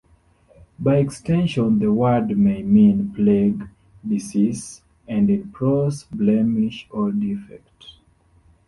By extension the word may mean "plague, disease" and in prose "blemish or defect".